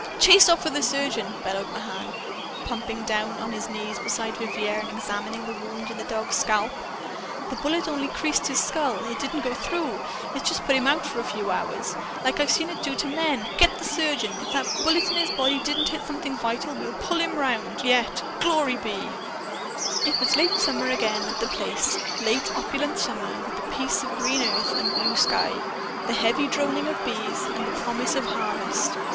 "Chase off for the surgeon!" bellowed Mahan, plumping down on his knees beside Vivier and examining the wound in the dog's scalp. "The bullet only creased his skull! It didn't go through! It's just put him out for a few hours, like I've seen it do to men. Get the surgeon! If that bullet in his body didn't hit something vital, we'll pull him around, yet! GLORY BE!" It was late summer again at The Place, late opulent summer, with the peace of green earth and blue sky, the heavy droning of bees and the promise of harvest.